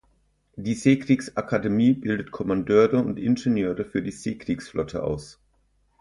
Die Seekriegsakademie bildet Kommandeure und Ingenieure für die Seekriegsflotte aus.